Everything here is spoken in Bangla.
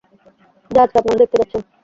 যা আজকে আপনারা দেখতে যাচ্ছেন।